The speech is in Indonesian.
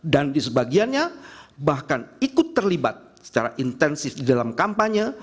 dan disebagiannya bahkan ikut terlibat secara intensif di dalam kampanye